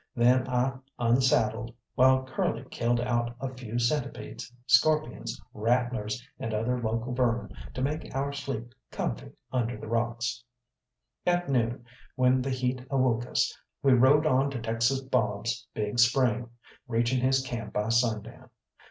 Then I unsaddled, while Curly killed out a few centipedes, scorpions, rattlers, and other local vermin, to make our sleep comfy under the rocks. At noon, when the heat awoke us, we rode on to Texas Bob's big spring, reaching his camp by sundown.